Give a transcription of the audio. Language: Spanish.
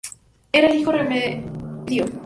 Era el único remedio.